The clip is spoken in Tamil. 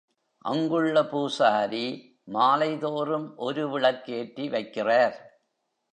அங்குள்ள பூசாரி மாலைதோறும் ஒரு விளக்கேற்றி வைக்கிறார்.